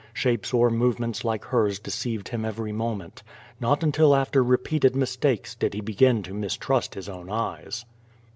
Shapes or movements like hers de ceived him every moment. Not until after repeated mistakes did he begin to mistrust his own eyes.